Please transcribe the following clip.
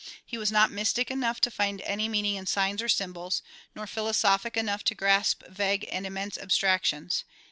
He was not mystic enough to find any meaning in signs or symbols, nor philosophic enough to grasp vague and immense abstractions.